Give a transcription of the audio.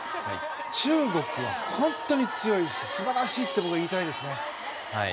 中国は本当に強いし素晴らしいって僕は言いたいですね。